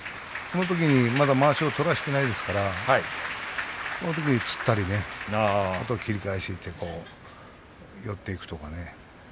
まだ、まわしを取らせていないですからこういうときにつったり切り返しにいって寄っていくとか